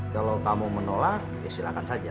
kalau kamu menolak ya silahkan saja